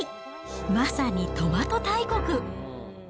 まさにトマト大国。